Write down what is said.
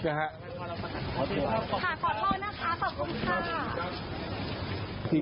ขอโทษนะคะขอบคุณค่ะ